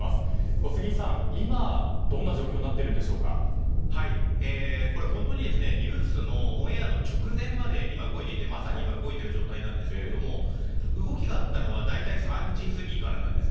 小杉さん、今どんな状況に本当にニュースのオンエアの直前まで今まさに動いている状態なんですが動きがあったのは３時過ぎからなんです。